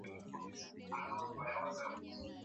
yalichangiwa sana na mfumuko wa bei